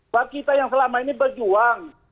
buat kita yang selama ini berjuang